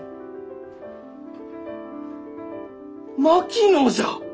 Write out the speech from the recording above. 槙野じゃ！